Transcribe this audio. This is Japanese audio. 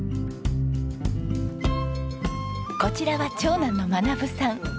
こちらは長男の学さん。